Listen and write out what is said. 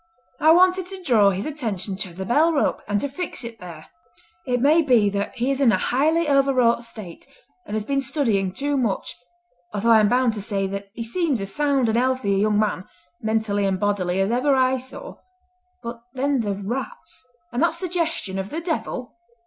I wanted to draw his attention to the bell rope, and to fix it there. It may be that he is in a highly overwrought state, and has been studying too much, although I am bound to say that he seems as sound and healthy a young man, mentally and bodily, as ever I saw—but then the rats—and that suggestion of the devil."